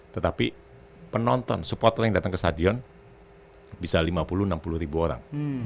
tetapi penonton supporter yang datang ke stadion bisa lima puluh enam puluh ribu orang